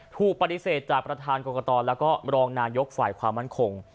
ถูกปฏิเสธจากประธานกรกตแล้วก็รองนายกฝ่ายความมั่นคง